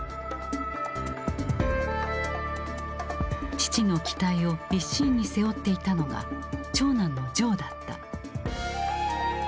父の期待を一身に背負っていたのが長男のジョーだった。